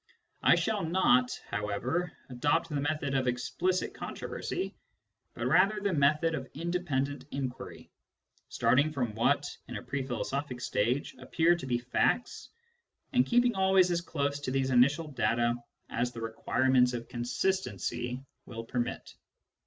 I shall not, how ever, adopt the method of explicit controversy, but rather the method of independent inquiry, starting from what, in a pre philosophic stage, appear to be facts, and keeping always as close to these initial data as the requirements of consistency will permit.